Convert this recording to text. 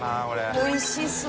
おいしそう。